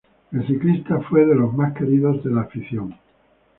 El ciclista fue de los más queridos de la afición.